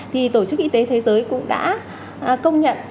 thì tổ chức y tế thế giới cũng đã công nhận